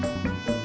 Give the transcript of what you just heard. baik tanggung jawab